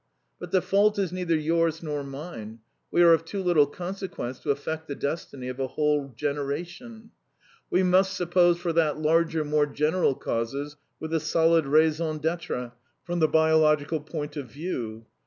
But the fault is neither yours nor mine; we are of too little consequence to affect the destiny of a whole generation. We must suppose for that larger, more general causes with a solid raison d'etre from the biological point of view.